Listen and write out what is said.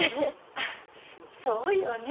あぁそうよね。